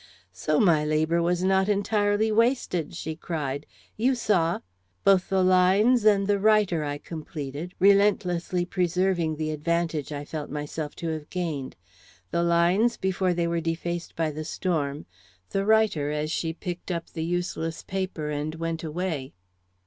"So my labor was not entirely wasted!" she cried. "You saw " "Both the lines and the writer," I completed, relentlessly preserving the advantage I felt myself to have gained "the lines before they were defaced by the storm, the writer as she picked up the useless paper and went away."